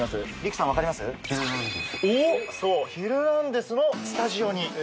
そう『ヒルナンデス！』のスタジオに。